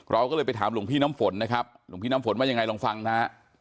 เราก็เลยไปถามหลวงพี่น้ำฝนนะครับหลวงพี่น้ำฝนว่ายังไงลองฟังนะฮะ